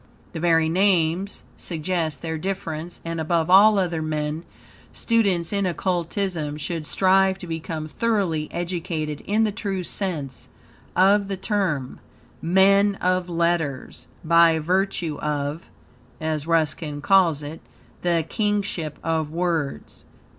The very names suggest their difference, and, above all other men, students in Occultism should strive to become thoroughly educated in the true sense of the term, MEN OF LETTERS, by virtue of (as Ruskin calls it) "the kingship of words."